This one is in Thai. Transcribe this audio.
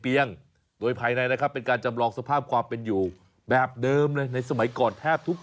โดยภายในนะครับเป็นการจำลองสภาพความเป็นอยู่แบบเดิมเลยในสมัยก่อนแทบทุก